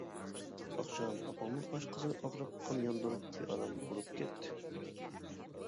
ئاخشام ئاپاڭنىڭ ئاشقازىنى ئاغرىپ قان ياندۇرۇپ بىئارام بولۇپ كەتتى.